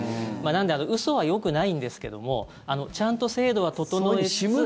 なので嘘はよくないんですけどもちゃんと制度は整えつつ。